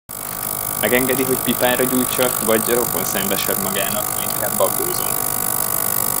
Megengedi, hogy pipára gyújtsak, vagy rokonszenvesebb magának, ha inkább bagózom?